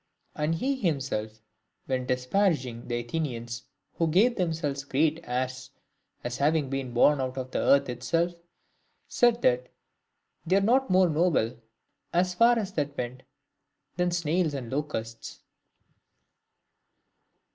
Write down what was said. And he himself, when "disparaging the Athenians who gave themselves great airs as having been born out of the earth itself, said that they were not more noble as far as that went than snails and locusts.